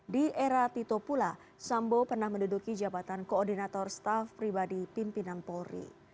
di era tito pula sambo pernah menduduki jabatan koordinator staff pribadi pimpinan polri